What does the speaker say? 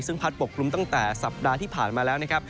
ซึ่งพัดปกคลุมตั้งแต่สัปดาห์ที่ผ่านมาแล้วนะครับ